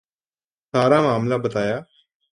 سارا معاملہ بتایا۔